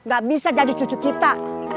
gak bisa jadi cucu kita